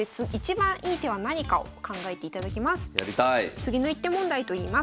次の一手問題といいます。